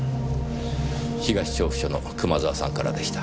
東調布署の熊沢さんからでした。